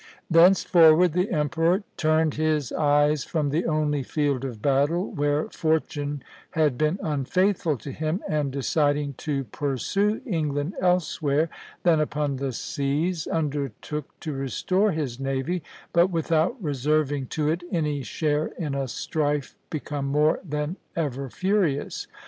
Thenceforward the emperor "turned his eyes from the only field of battle where fortune had been unfaithful to him, and deciding to pursue England elsewhere than upon the seas, undertook to restore his navy, but without reserving to it any share in a strife become more than ever furious....